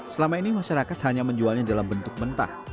selama ini masyarakat hanya menjualnya dalam bentuk mentah